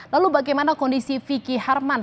lalu bagaimana kondisi vicky harman